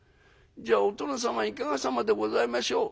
じゃあお殿様いかがさまでございましょう。